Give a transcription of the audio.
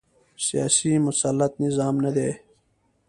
سیاسي مسلط نظام نه دی